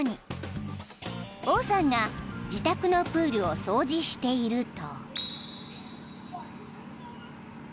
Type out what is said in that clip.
［オーさんが自宅のプールを掃除していると］